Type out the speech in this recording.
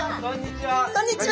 こんにちは！